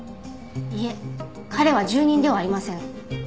いえ彼は住人ではありません。